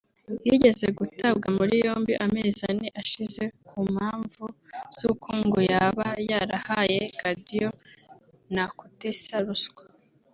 yigeze gutabwa muri yombi amezi ane ashize ku mpamvu z’uko ngo yaba yarahaye Gadio na Kutesa ruswa